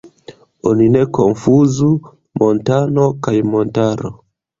Oni ne konfuzu "montano" kaj "montaro".